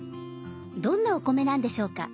どんなお米なんでしょうか？